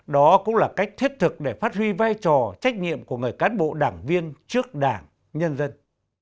đó cũng là cách thiết thực để phát huy vai trò trách nhiệm của người cán bộ đảng viên trước đảng nhân dân